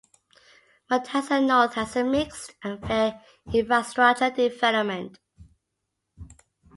Mutasa North has a mixed and fair infrastructure development.